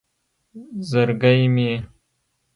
زرگی مې